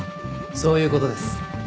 そういう事です。